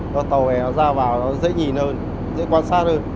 cho tàu này ra vào nó dễ nhìn hơn dễ quan sát hơn